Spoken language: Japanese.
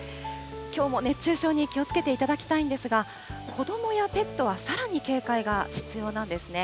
きょうも熱中症に気をつけていただきたいんですが、子どもやペットはさらに警戒が必要なんですね。